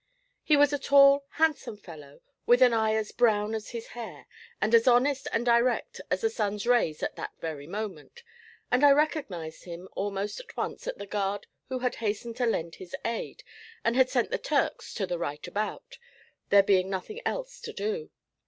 He was a tall, handsome fellow, with an eye as brown as his hair, and as honest and direct as the sun's rays at that very moment, and I recognised him almost at once as the guard who had hastened to lend his aid, and had sent the Turks to the right about, there being nothing else to do.